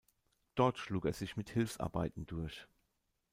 Dort schlug er sich mit Hilfsarbeiten durch.